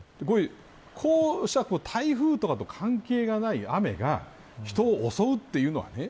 こうした台風とかと関係がない雨が、人を襲うというのはね